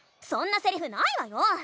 そんなセリフないわよ！